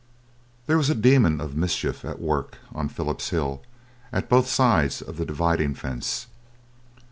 There was a demon of mischief at work on Philip's hill at both sides of the dividing fence.